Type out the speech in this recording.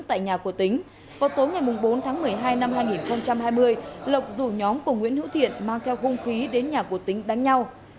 tại nhà của tính vào tối ngày bốn tháng một mươi hai năm hai nghìn hai mươi lộc rủ nhóm của nguyễn hữu thiện mang theo hung khí đến nhà của tính đánh nhau